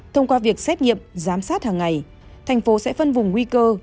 thông qua việc xét nghiệm giám sát hàng ngày thành phố sẽ phân vùng nguy cơ